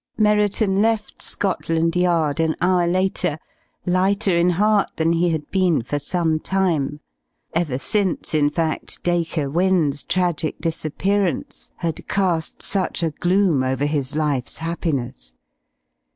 Merriton left Scotland Yard an hour later, lighter in heart than he had been for some time ever since, in fact, Dacre Wynne's tragic disappearance had cast such a gloom over his life's happiness.